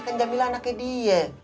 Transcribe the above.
kan jamila anaknya dia